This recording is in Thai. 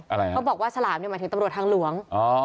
เพราะบอกว่าฉลามหมายถึงตำรวจทางหลวง